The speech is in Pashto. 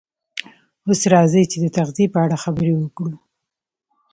اوس راځئ چې د تغذیې په اړه خبرې وکړو